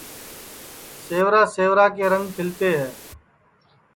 سیورا سیورا کے رنگ کھلتے ہے